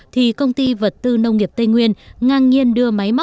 thì công ty vật tư nông nghiệp tây nguyên ngang nhiên đưa máy móc